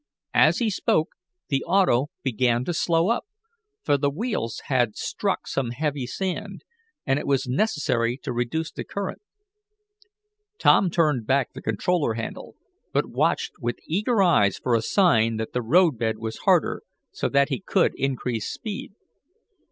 As he spoke the auto began to slow up, for the wheels had struck some heavy sand, and it was necessary to reduce the current. Tom turned back the controller handle, but watched with eager eyes for a sign that the roadbed was harder, so that he could increase speed.